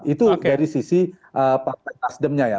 itu dari sisi partai nasdem nya ya